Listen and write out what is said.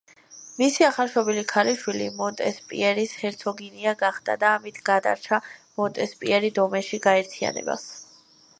მისი ახალშობილი ქალიშვილი მონტესპიერის ჰერცოგინია გახდა და ამით გადარჩა მონტესპიერი დომენში გაერთიანებას.